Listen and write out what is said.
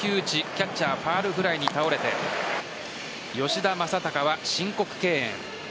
キャッチャーファウルフライに倒れて吉田正尚は申告敬遠。